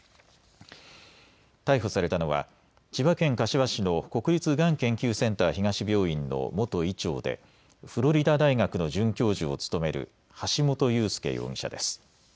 逮捕されたのは千葉県柏市の国立がん研究センター東病院の元医長でフロリダ大学の准教授を務める橋本裕輔容疑者です。